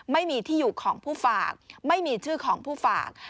ไม่มีที่อยู่ของผู้ฝากไม่มีชื่อของผู้ฝาก